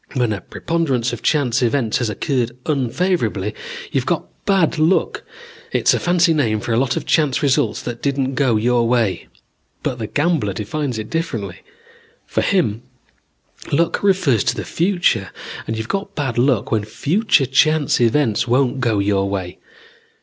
When a preponderance of chance events has occurred unfavorably, you've got bad luck. It's a fancy name for a lot of chance results that didn't go your way. But the gambler defines it differently. For him, luck refers to the future, and you've got bad luck when future chance events won't go your way.